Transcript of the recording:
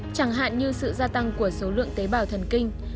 chẳng hạn như sự gia tăng của số lượng tế bào thần kinh